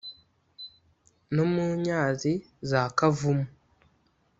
no mu nyazi za kavumu